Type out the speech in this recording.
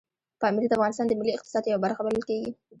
پامیر د افغانستان د ملي اقتصاد یوه برخه بلل کېږي.